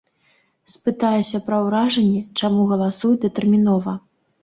Спытаюся пра ўражанні, чаму галасуюць датэрмінова.